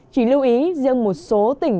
chỉ lưu ý riêng một số tỉnh